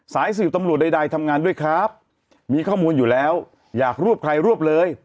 สายสื่อตำรวจใดทำงานด้วยครับมีข้อมูลอยู่แล้วอยากรวบใครรวบเลย